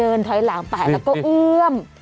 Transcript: ถอยหลังไปแล้วก็เอื้อม